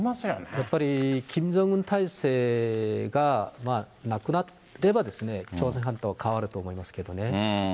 やっぱりキム・ジョンウン体制がなくなれば、朝鮮半島は変わると思いますけどね。